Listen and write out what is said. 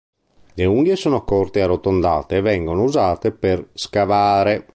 Le unghie sono corte e arrotondate e vengono usate per scavare.